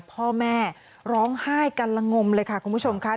พ่อแม่ร้องไห้กันละงมเลยค่ะคุณผู้ชมค่ะ